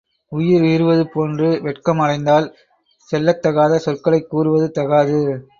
உயிர் இறுவது போன்று வெட்கம் அடைந்தாள் சொல்லத்தகாத சொற்களைக் கூறுவது தகாது.